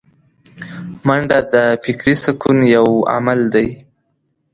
منډه د فکري سکون یو عمل دی